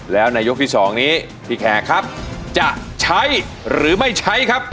แล้วในยกที่๒นี้พี่แขกครับจะใช้หรือไม่ใช้ครับ